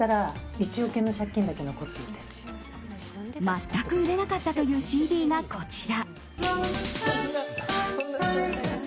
全く売れなかったというＣＤがこちら。